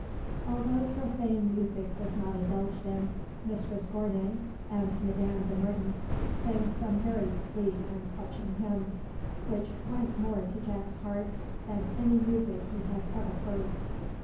Although profane music was not indulged in, Mistress Gournay and Madame de Mertens sang some very sweet and touching hymns, which went more to Jack's heart than any music he had ever heard.